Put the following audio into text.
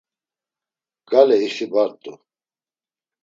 Gale ixi bart̆u.